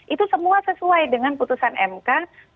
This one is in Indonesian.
itu semua sesuai dengan putusan mk delapan ribu tujuh ratus dua puluh dua